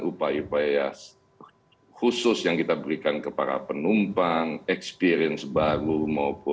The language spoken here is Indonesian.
upaya upaya khusus yang kita berikan kepada penumpang experience baru